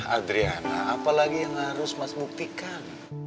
adriana apalagi yang harus mas buktikan